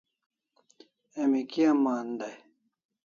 Emi kia ma'an dai?